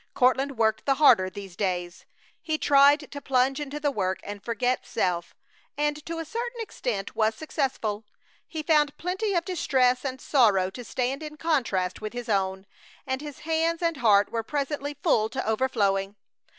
Courtland worked the harder these days. He tried to plunge into the work and forget self, and to a certain extent was successful. He found plenty of distress and sorrow to stand in contrast with his own; and his hands and heart were presently full to overflowing.